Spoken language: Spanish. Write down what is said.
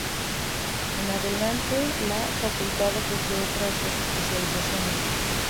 En adelante la Facultad ofreció otras dos especializaciones.